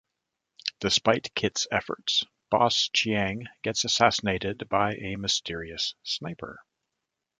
Despite Kit's efforts, Boss Chiang gets assassinated by a mysterious sniper.